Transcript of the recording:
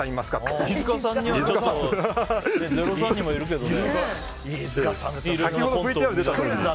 ０３にもいるけどね。